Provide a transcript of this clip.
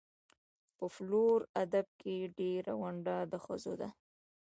په فولکور ادب کې ډېره ونډه د ښځو ده.